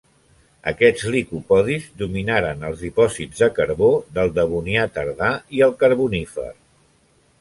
Aquests licopodis dominaren els dipòsits de carbó del Devonià tardà i el Carbonífer.